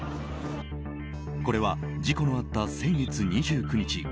これは事故のあった先月２９日